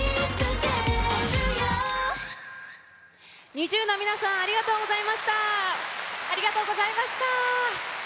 ＮｉｚｉＵの皆さんありがとうございました！